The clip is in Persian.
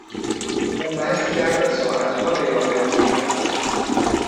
او مست کرد و ساعتها به یاوه گویی پرداخت.